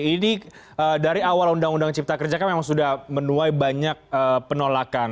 ini dari awal undang undang cipta kerja kan memang sudah menuai banyak penolakan